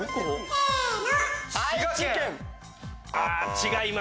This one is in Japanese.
・せの！